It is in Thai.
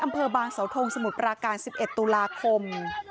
อำเภอบางสาวทงสมุทรปราการ๑๑ตุลาคม